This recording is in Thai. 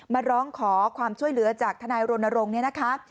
มาร้องขอความช่วยเหลือจากทนายรณรงค์เนี่ยนะคะ